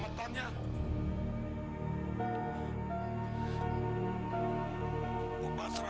akhirnya kita bisa juga